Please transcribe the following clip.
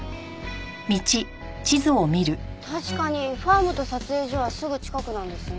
確かにファームと撮影所はすぐ近くなんですね。